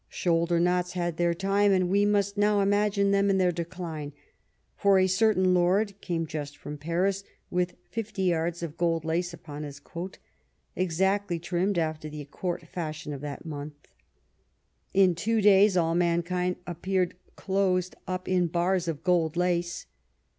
Shoulder knots had their time; and we must now imagine them in their decline: for a certain lord came just from Paris, with fifty yards of gold lace upon his coat, exactly trimmed after the court fashion of that month. In two days all mankind appeared closed up in bars of gold lace.